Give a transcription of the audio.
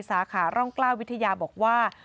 สาขาร่องกล้าวิทยาบอกว่า